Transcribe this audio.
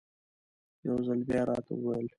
یو ځل بیا یې راته وویل.